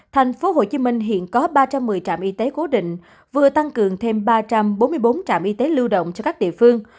thành phố hồ chí minh hiện có ba trăm một mươi trạm y tế cố định vừa tăng cường thêm ba trăm bốn mươi bốn trạm y tế lưu động cho các địa phương